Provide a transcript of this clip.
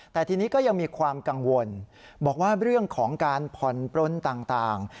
แต่ทีนี้ก็ยังมีความกังวลบอกว่าเรื่องของการผ่อนปลนต่าง